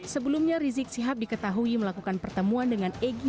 sebelumnya rizik sihab diketahui melakukan pertemuan dengan egy